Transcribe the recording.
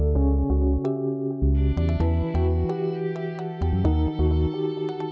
baiklah kita pasti akan melakukan